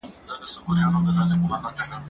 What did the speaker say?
زه به اوږده موده کتابتون ته تللی وم!.